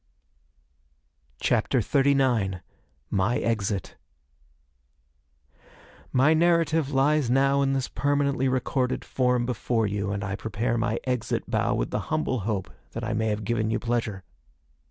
CHAPTER XXXIX My Exit My narrative lies now in this permanently recorded form before you, and I prepare my exit bow with the humble hope that I may have given you pleasure.